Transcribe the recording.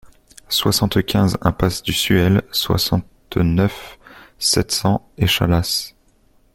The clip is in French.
soixante-quinze impasse du Suel, soixante-neuf, sept cents, Échalas